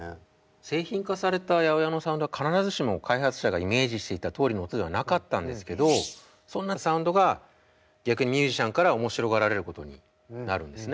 製品化された８０８のサウンドは必ずしも開発者がイメージしていたとおりの音ではなかったんですけどそんなサウンドが逆にミュージシャンから面白がられることになるんですね。